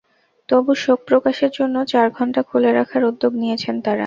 তবু শোক প্রকাশের জন্য চার ঘণ্টা খুলে রাখার উদ্যোগ নিয়েছেন তাঁরা।